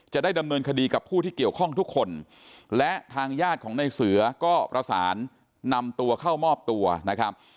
จะได้ดำเนินคดีกับผู้ที่เกี่ยวข้องทุกคนและทางญาติของในเสือก็ประสานนำตัวเข้ามอบตัวนะครับ